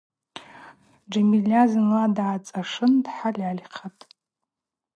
Джьамильа зынла дгӏацӏашын дхӏальальхатӏ.